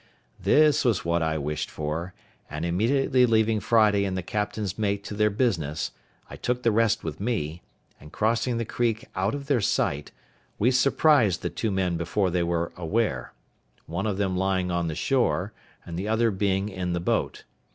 This was what I wished for; and immediately leaving Friday and the captain's mate to their business, I took the rest with me; and, crossing the creek out of their sight, we surprised the two men before they were aware—one of them lying on the shore, and the other being in the boat.